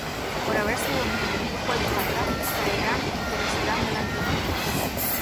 Por haber sido mis enemigos vueltos atrás: Caerán y perecerán delante de ti.